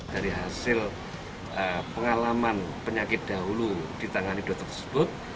dari hasil pengalaman penyakit dahulu ditangani dokter tersebut